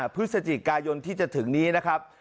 พฤศจิกายนที่จะถึงนี้นะครับ